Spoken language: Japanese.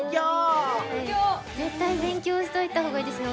絶対勉強しといた方がいいですね。